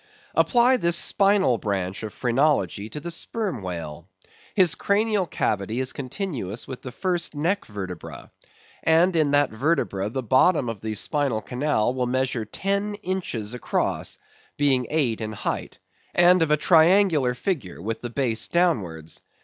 Apply this spinal branch of phrenology to the Sperm Whale. His cranial cavity is continuous with the first neck vertebra; and in that vertebra the bottom of the spinal canal will measure ten inches across, being eight in height, and of a triangular figure with the base downwards.